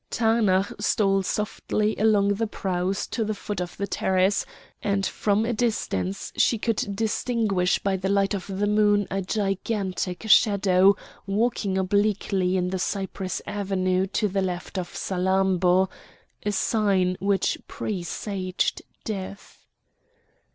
Taanach stole softly along the prows to the foot of the terrace, and from a distance she could distinguish by the light of the moon a gigantic shadow walking obliquely in the cypress avenue to the left of Salammbô, a sign which presaged death.